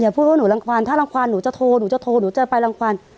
อย่าพูดว่าหนูรังควรถ้ารังควรหนูจะโทรหนูจะไปรังควร